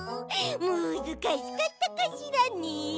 むずかしかったかしらね？